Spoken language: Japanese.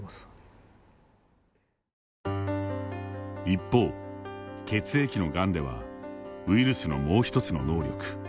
一方、血液のがんではウイルスのもう一つの能力